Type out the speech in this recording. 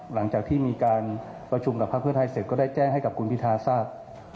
หลังจากที่มีการประชุมกับภาคเพื่อไทยเสร็จก็ได้แจ้งให้กับคุณพิทาทราบ